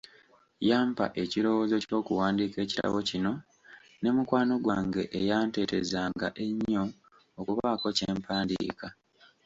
Yampa ekirowoozo ky'okuwandiika ekitabo kino, ne mukwano gwange eyanteetezanga ennyo okubaako kye mpandiika.